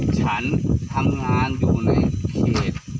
ฉันทำงานอยู่ในเขต